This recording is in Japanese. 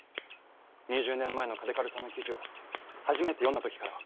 ２０年前の嘉手刈さんの記事を初めて読んだ時から。